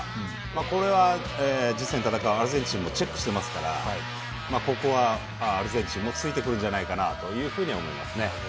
これは次戦で戦うアルゼンチンもチェックしてますからここはアルゼンチンも突いてくるんじゃないかと思います。